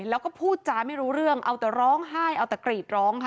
แล้วก็พูดจาไม่รู้เรื่องเอาแต่ร้องไห้เอาแต่กรีดร้องค่ะ